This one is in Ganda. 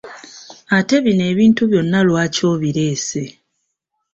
Ate bino ebintu byonna lwaki obireese?